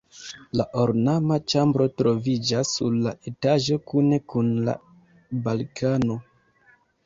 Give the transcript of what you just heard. La ornama ĉambro troviĝas sur la etaĝo kune kun la balkono.